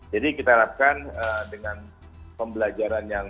jadi kita harapkan dengan pembelajaran